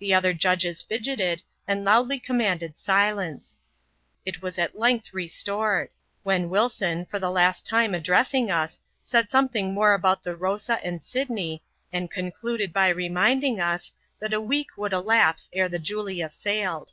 The other judges fidgeted, and loudly commanded silence. It was at length restored ; when Wilson, for the last time address ing us, said something more about the Rosa and Sydney, and concluded by reminding us, that a week would elapse ere the Julia sailed.